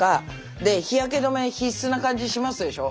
で日焼け止め必須な感じしますでしょ。